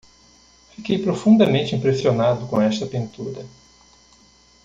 Fiquei profundamente impressionado com esta pintura.